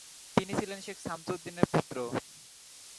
তিনি ছিলেন শেখ শামস-উদ-দ্বীনের পুত্র।